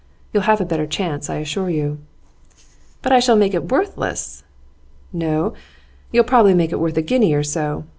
You'll have a better chance, I assure you.' 'But I shall make it worthless.' 'No; you'll probably make it worth a guinea or so.